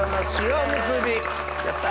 やった！